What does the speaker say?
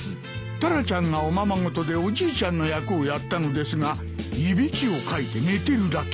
タラちゃんがおままごとでおじいちゃんの役をやったのですがいびきをかいて寝てるだけ。